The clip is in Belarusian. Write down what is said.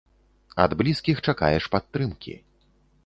Ад блізкіх чакаеш падтрымкі.